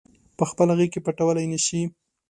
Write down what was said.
پخپله غیږ کې پټولای نه شي